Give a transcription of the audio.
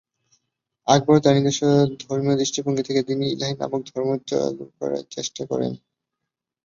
আকবর তার নিজস্ব ধর্মীয় দৃষ্টিভঙ্গী থেকে দীন-ই-ইলাহি নামক ধর্ম চালু করার চেষ্টা করেন।